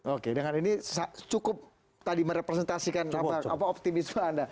oke dengan ini cukup tadi merepresentasikan optimisme anda